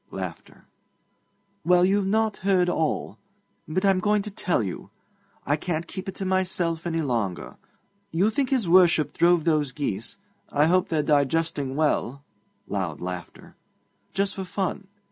Well, you've not heard all, but I'm going to tell you. I can't keep it to myself any longer. You think his Worship drove those geese I hope they're digesting well (loud laughter) just for fun.